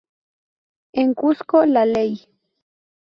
En Cusco: La Ley.